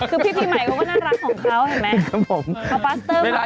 คือพี่พี่ใหม่ก็ได้รักของเขาเห็นมั้ย